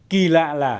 kỳ lạ là